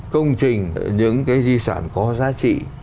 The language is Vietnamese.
công trình những cái di sản có giá trị